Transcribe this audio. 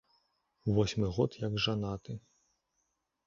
Восьмы год як жанаты.